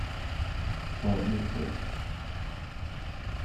For Mrs.